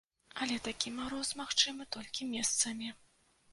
Але такі мароз магчымы толькі месцамі.